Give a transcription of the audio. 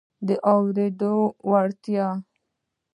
د اورېدو وړتیا